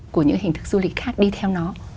của những hình thức du lịch khác đi theo nó